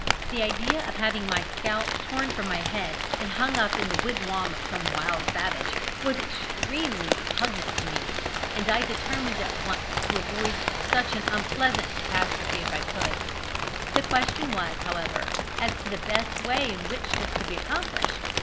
The idea of having my scalp torn from my head, and hung up in the wigwam of a wild savage, was extremely repugnant to me, and I determined at once to avoid such an unpleasant catastrophe if I possibly could. The question was, however, as to the best way in which this could be accomplished.